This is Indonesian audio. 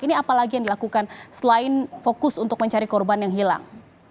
ini apalagi yang dilakukan selain fokus untuk mencari korban yang hilang